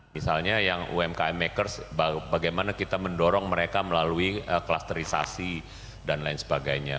misalnya yang umkm makers bagaimana kita mendorong mereka melalui klusterisasi dan lain sebagainya